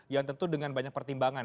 yang tentu dengan banyak pertimbangan